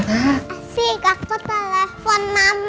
asyik aku telepon mama